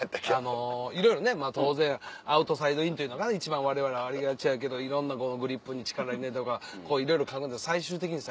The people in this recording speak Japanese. あのいろいろね当然アウトサイドインっていうのかな一番われわれありがちやけどいろんなグリップに力入れるとかいろいろ書くんだけど最終的に。